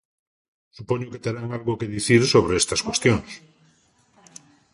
Supoño que terán algo que dicir sobre estas cuestións.